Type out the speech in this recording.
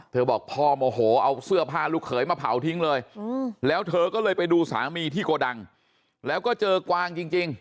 บอกพ่อโมโหเอาเสื้อผ้าลูกเขยมาเผาทิ้งเลยแล้วเธอก็เลยไปดูสามีที่โกดังแล้วก็เจอกวางจริง